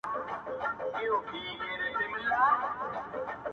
د پوهېدو سخت ګڼي تل وي،